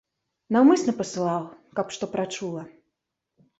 Наўмысна пасылаў, каб што прачула.